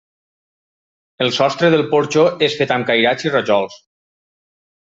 El sostre del porxo és fet amb cairats i rajols.